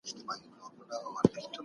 اسلام د سولي او مېړاني پیغام دی.